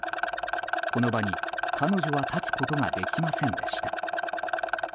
この場に彼女は立つことができませんでした。